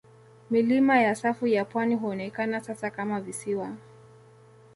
Milima ya safu ya pwani huonekana sasa kama visiwa.